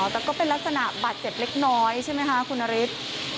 แต่ก็เป็นลักษณะบาดเจ็บเล็กน้อยใช่ไหมคะคุณนฤทธิ์